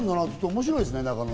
面白いですね、中野。